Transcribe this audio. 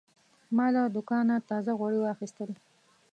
ما له دوکانه تازه غوړي واخیستل.